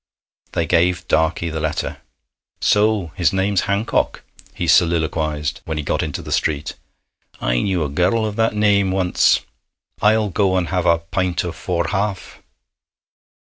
They gave Darkey the letter. 'So his name's Hancock,' he soliloquized, when he got into the street. 'I knew a girl of that name once. I'll go and have a pint of four half.'